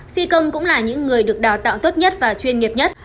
phi công cũng là những người được đào tạo tốt nhất và chuyên nghiệp nhất